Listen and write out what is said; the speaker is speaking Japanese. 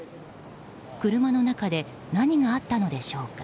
車の中で何があったのでしょうか。